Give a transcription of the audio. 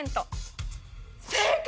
正解！